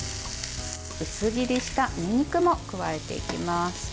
薄切りしたにんにくも加えていきます。